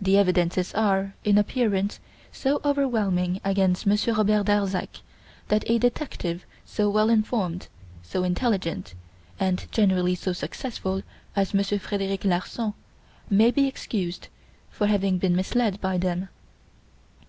The evidences are, in appearance, so overwhelming against Monsieur Robert Darzac that a detective so well informed, so intelligent, and generally so successful, as Monsieur Frederic Larsan, may be excused for having been misled by them.